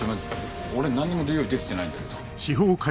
俺何にも用意できてないんだけど。